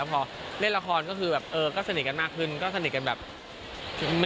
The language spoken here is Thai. เป็นเพื่อนสนิทกันมากกว่า